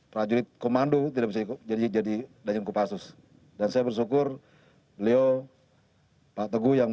prajurit komando tidak bisa ikut jadi jadi danjen kopassus dan saya bersyukur beliau pak teguh yang